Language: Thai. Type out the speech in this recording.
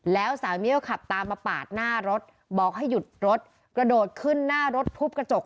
แล้วสาวเบี้ยวขับตามมาปาดหน้ารถบอกให้หยุดรถกระโดดขึ้นหน้ารถทุบกระจก